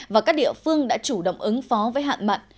và các địa phương đã chủ động ứng phó với hạn mặn